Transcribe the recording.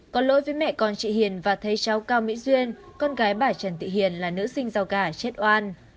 có lỗi với mẹ con chị hiền và thấy cháu cao mỹ duyên con gái bà trần tị hiền là nữ sinh giàu gà chết oan